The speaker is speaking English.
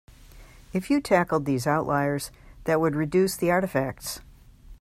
If you tackled these outliers that would reduce the artifacts.